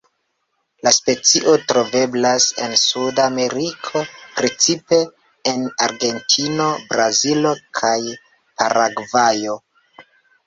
La specio troveblas en Suda Ameriko, precipe en Argentino, Brazilo kaj Paragvajo.